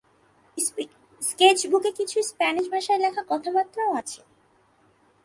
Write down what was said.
স্কেচবুকে কিছু স্প্যানিশ ভাষায় লেখা কথাবার্তাও আছে।